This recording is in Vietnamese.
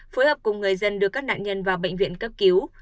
phối hợp cùng người dân đưa các nạn nhân vào bệnh viện cấp cứu